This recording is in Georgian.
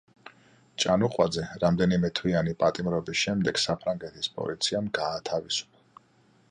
ჭანუყვაძე რამდენიმე თვიანი პატიმრობის შემდეგ საფრანგეთის პოლიციამ გაათავისუფლა.